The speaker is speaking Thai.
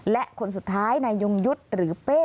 และคนสุดท้ายนายยงยุทธ์หรือเป้